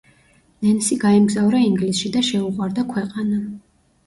ნენსი გაემგზავრა ინგლისში და შეუყვარდა ქვეყანა.